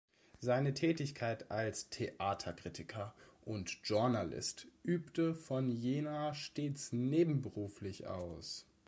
Seine Tätigkeit als Theaterkritiker und Journalist übte von Jena stets nebenberuflich aus.